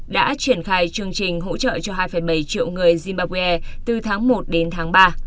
đã triển khai chương trình hỗ trợ cho hai bảy triệu người zimbabwe từ tháng một đến tháng ba